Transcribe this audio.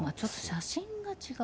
写真が違う。